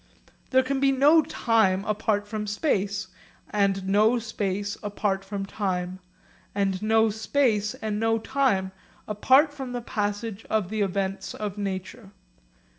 There can be no time apart from space; and no space apart from time; and no space and no time apart from the passage of the events of nature.